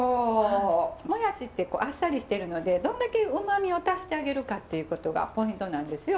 もやしってあっさりしてるのでどんだけ旨味を足してあげるかっていうことがポイントなんですよ